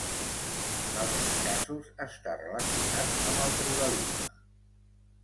En altres casos, està relacionat amb el tribalisme.